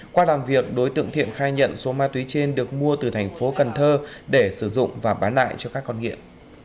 qua làm việc đối tượng thiện khai nhận số ma túy trên được mua từ thành phố cần thơ để sử dụng và bán lại cho các con nghiện